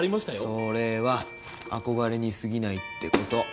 それは憧れに過ぎないってこと。